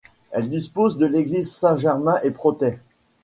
Elle dispose de l'église Saints-Gervais-et-Protais.